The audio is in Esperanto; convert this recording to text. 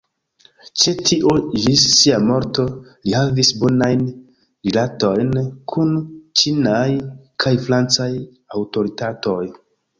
Ĉe tio ĝis sia morto li havis bonajn rilatojn kun ĉinaj kaj francaj aŭtoritatoj.